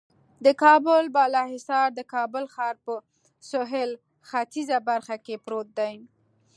د کابل بالا حصار د کابل ښار په سهیل ختیځه برخه کې پروت دی.